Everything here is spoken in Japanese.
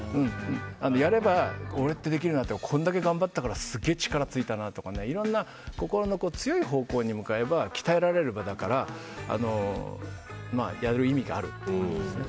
やれば俺ってできるんだこんだけ頑張ったからすげえ力ついたなとか心の強い方向に向かえば鍛えられればやる意味があるんですね。